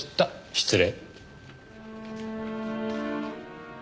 失礼。